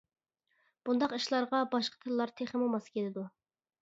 بۇنداق ئىشلارغا باشقا تىللار تېخىمۇ ماس كېلىدۇ.